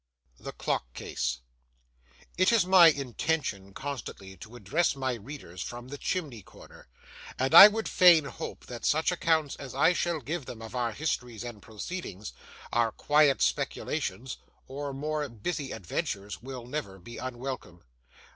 THE CLOCK CASE It is my intention constantly to address my readers from the chimney corner, and I would fain hope that such accounts as I shall give them of our histories and proceedings, our quiet speculations or more busy adventures, will never be unwelcome.